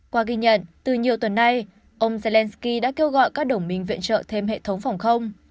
qua ghi nhận từ nhiều tuần nay ông zelensky đã kêu gọi các đồng minh viện trợ thêm hệ thống phòng không